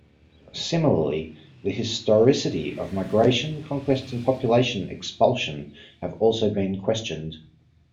Similarly, the historicity of migration, conquest and population expulsion have also been questioned.